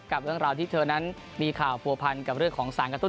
กับเรื่องราวที่เธอนั้นมีข่าวผัวพันกับเรื่องของสารกระตุ้น